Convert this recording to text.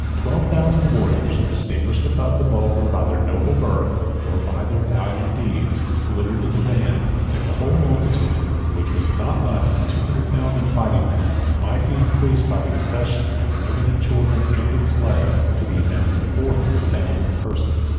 Twelve thousand warriors, distinguished above the vulgar by their noble birth, or their valiant deeds, glittered in the van; 68 and the whole multitude, which was not less than two hundred thousand fighting men, might be increased, by the accession of women, of children, and of slaves, to the amount of four hundred thousand persons.